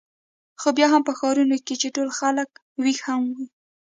خو بیا هم په ښارونو کې چې ټول خلک وېښ هم وي.